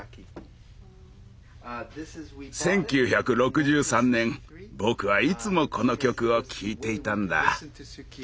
１９６３年僕はいつもこの曲を聴いていたんだ。